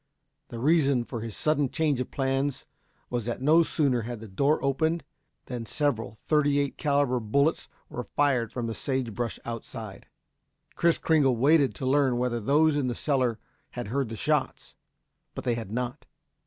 The reason for his sudden change of plans was that no sooner had the door opened than several thirty eight calibre bullets were fired from the sage brush outside. Kris Kringle waited to learn whether those in the cellar had heard the shots. But they had not.